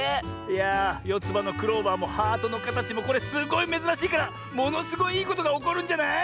いやあよつばのクローバーもハートのかたちもこれすごいめずらしいからものすごいいいことがおこるんじゃない？